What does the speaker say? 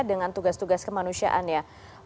dengan tugas tugas kemanusiaan ya